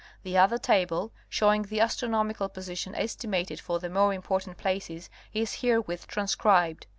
The other table, showing the astronomical position estimated for the more important places is herewith transcribed.